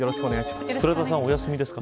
倉田さんはお休みですか。